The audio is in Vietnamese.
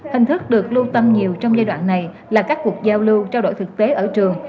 hình thức được lưu tâm nhiều trong giai đoạn này là các cuộc giao lưu trao đổi thực tế ở trường